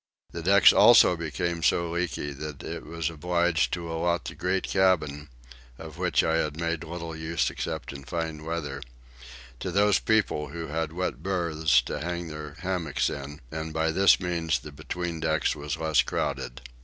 The decks also became so leaky that it was obliged to allot the great cabin, of which I made little use except in fine weather, to those people who had wet berths to hang their hammocks in, and by this means the between decks was less crowded.